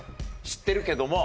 知ってるけども。